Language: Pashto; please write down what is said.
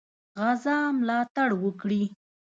غزا ملاتړ وکړي.